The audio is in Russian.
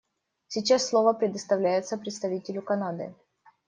Сейчас слово предоставляется представителю Канады.